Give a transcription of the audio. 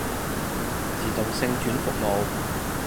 自動性轉服務